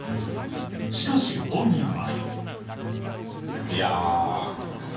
しかし、本人は。